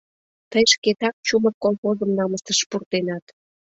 Тый шкетак чумыр колхозым намысыш пуртенат.